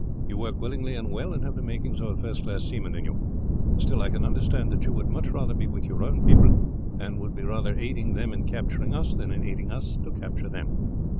You work willingly and well and have the makings of a first class seaman in you; still I can understand that you would much rather be with your own people, and would be rather aiding them in capturing us than in aiding us to capture them.